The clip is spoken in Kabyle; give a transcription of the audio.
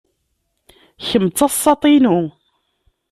Kemm d tasaḍt-inu.